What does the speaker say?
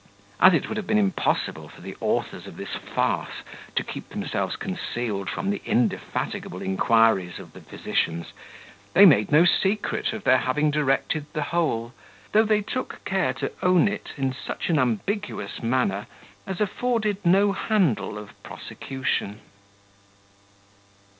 As it would have been impossible for the authors of this farce to keep themselves concealed from the indefatigable inquiries of the physicians, they made no secret of their having directed the whole: though they took care to own it in such an ambiguous manner, as afforded no handle of prosecution.